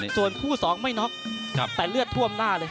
ส่วนคู่๒ไม่น็อกแต่เลือดท่วมหน้าเลย